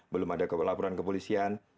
belum ada laporan kepolisian